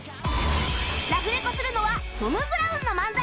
ラフレコするのはトム・ブラウンの漫才